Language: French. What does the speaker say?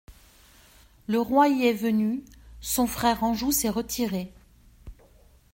Le roi y est venu ; son frère Anjou s'est retiré.